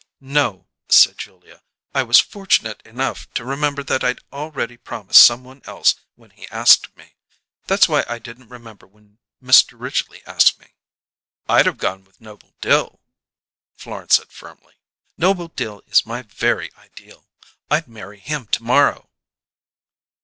"No," said Julia. "I was fortunate enough to remember that I'd already promised someone else when he asked me. That's what I didn't remember when Mr. Ridgely asked me." "I'd have gone with Noble Dill," Florence said firmly. "Noble Dill is my Very Ideal! I'd marry him to morrow."